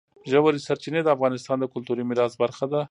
ژورې سرچینې د افغانستان د کلتوري میراث برخه ده.